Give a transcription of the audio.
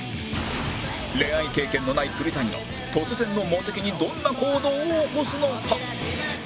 恋愛経験のない栗谷は突然のモテキにどんな行動を起こすのか？